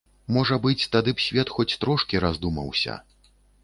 Можа быць, тады б свет хоць трошкі раздумаўся.